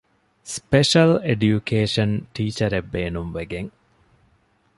ސްޕެޝަލް އެޑިޔުކޭޝަން ޓީޗަރެއް ބޭނުންވެގެން